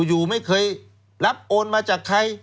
อยู่ไม่เคยรับโอนมาจากใคร